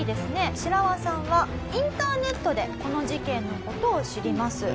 シラワさんはインターネットでこの事件の事を知ります。